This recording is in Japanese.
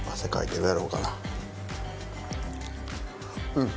うん！